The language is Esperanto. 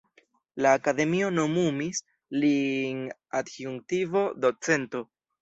La Akademio nomumis lin Adjunkto-Docento.